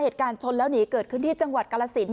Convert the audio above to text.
เหตุการณ์ชนแล้วหนีเกิดขึ้นที่จังหวัดกรสิน